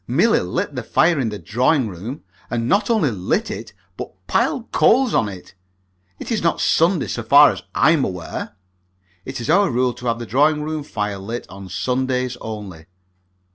Merely lit the fire in the drawing room; and not only lit it, but piled coals on it. It is not Sunday, so far as I am aware." It is our rule to have the drawing room fire lit on Sundays only.